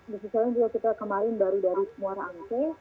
bersisa juga kita kemarin baru dari muara ante